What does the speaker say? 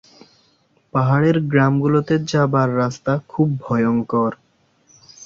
পাহাড়ের গ্রামগুলোতে যাবার রাস্তা খুব ভয়ঙ্কর।